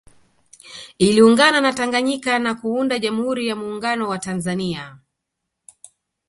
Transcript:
Iliungana na Tanganyika na kuunda Jamhuri ya Muungano wa Tanzania